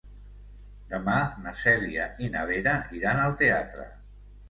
Demà na Cèlia i na Vera iran al teatre.